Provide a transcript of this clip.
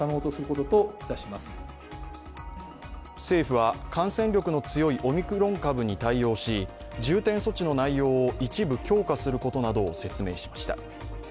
政府は感染力の強いオミクロン株に対応し、重点措置の内容を一部強化することなどを説明しました。